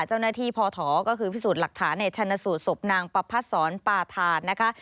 เจ้าหน้าที่พอถอก็คือพิสูจน์หลักฐานในชันสูตรศพนางประพัดศรปาธานนะคะ